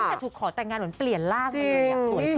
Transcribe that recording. ก็ถูกขอแต่งงานเหมือนเปลี่ยนล่าดอย่างนี้